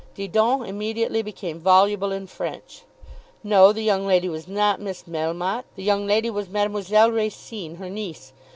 Didon immediately became voluble in French. No; the young lady was not Miss Melmotte; the young lady was Mademoiselle Racine, her niece.